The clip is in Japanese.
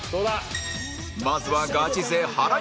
まずはガチ勢原西